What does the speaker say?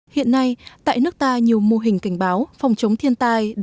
hiện nay tại nước ta nhiều mô hình cảnh báo phòng chống thiên tai đã